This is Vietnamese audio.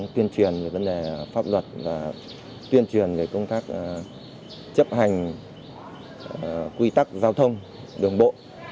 tuyên truyền về vấn đề pháp luật là tuyên truyền về công tác chấp hành quy tắc giao thông đường bộ